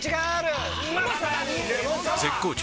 絶好調！！